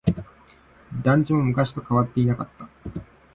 団地も昔と変わっていなかった。